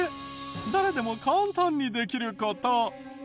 誰でも簡単にできる事。